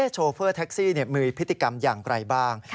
โชเฟอร์แท็กซี่มีพฤติกรรมอย่างไรบ้าง